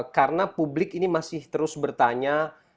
karena publik ini masih terus bertanya